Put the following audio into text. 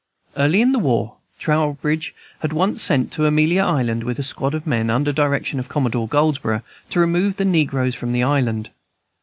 Early in the war Trowbridge had been once sent to Amelia Island with a squad of men, under direction of Commodore Goldsborough, to remove the negroes from the island.